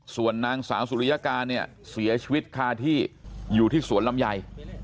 ส่วนนางสาวสุริยการเนี่ยเสียชีวิตคาที่อยู่ที่สวนลำไย